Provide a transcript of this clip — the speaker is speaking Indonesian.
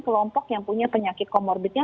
kelompok yang punya penyakit komorbidnya